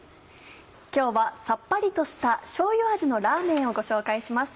今日はさっぱりとしたしょうゆ味のラーメンをご紹介します。